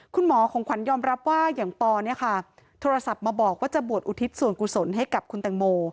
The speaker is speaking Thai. คุณหมอของขวัญยอมรับว่าอย่างปอเนี่ยค่ะโทรศัพท์มาบอกว่าจะบวชอุทิศส่วนกุศลให้กับคุณแตงโม